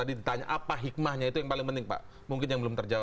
di dalam dunia militer